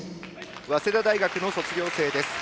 早稲田大学の卒業生です。